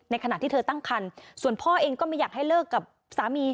ขณะที่เธอตั้งคันส่วนพ่อเองก็ไม่อยากให้เลิกกับสามี